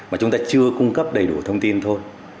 mà chúng ta chưa cung cấp đầy đủ thông tin thôi